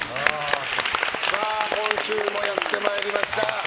今週もやってまいりました。